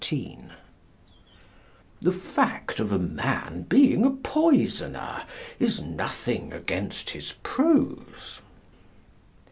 _The fact of a man being a poisoner is nothing against his prose.